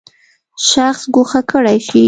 شخص ګوښه کړی شي.